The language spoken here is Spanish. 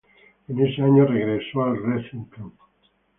En ese año regresó a Racing Club.